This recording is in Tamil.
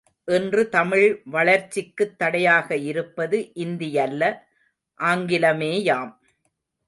இன்று தமிழ் வளர்ச்சிக்குத் தடையாக இருப்பது இந்தியல்ல ஆங்கிலமேயாம்.